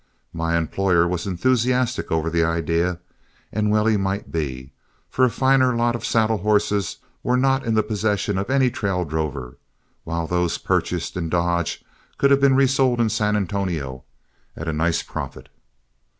My employer was enthusiastic over the idea, and well he might be, for a finer lot of saddle horses were not in the possession of any trail drover, while those purchased in Dodge could have been resold in San Antonio at a nice profit.